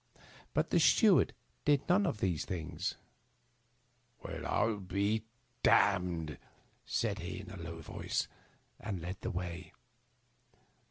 But the steward did none of these things. "Well, I am d ' d 1 " said he, in a low voice, and led the way.